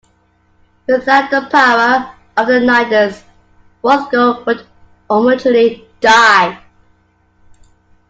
Without the power of the Nidus, Rothgo would ultimately die.